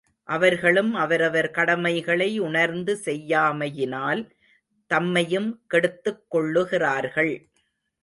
அவர்களும் அவரவர் கடமைகளை உணர்ந்து செய்யாமையினால் தம்மையும் கெடுத்துக் கொள்ளுகிறார்கள்.